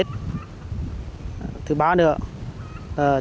thứ ba nữa là quan tâm đến việt kiều học sinh sinh viên người dân xã quê về ăn tết